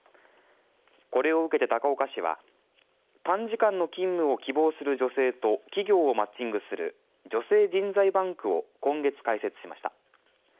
これを受けて、高岡市は短時間の勤務を希望する女性と企業をマッチングする女性人材バンクを今月、開設しました。